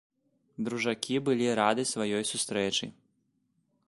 Дружакі былі рады сваёй сустрэчы.